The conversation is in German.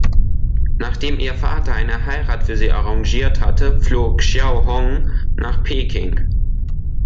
Nachdem ihr Vater eine Heirat für sie arrangiert hatte, floh Xiao Hong nach Peking.